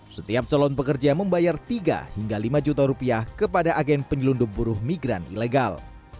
setiap calon pekerja membayar tiga hingga lima juta rupiah kepada agen penyelundup buruh migran ilegal